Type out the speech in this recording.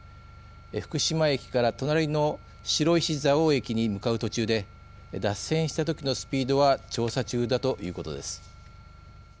福島駅から隣の白石蔵王駅に向かう途中で脱線したときのスピードは調査中だということです。